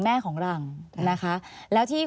อันดับ๖๓๕จัดใช้วิจิตร